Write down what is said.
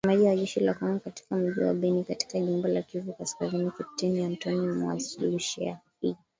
Msemaji wa jeshi la Kongo katika mji wa Beni katika jimbo la Kivu Kaskazini, Kepteni Antony Mualushayi.